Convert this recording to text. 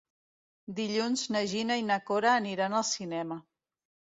Dilluns na Gina i na Cora aniran al cinema.